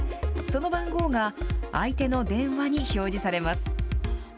その番号が、相手の電話に表示されます。